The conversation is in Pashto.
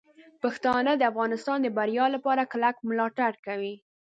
پښتانه د افغانستان د بریا لپاره کلک ملاتړ کوي.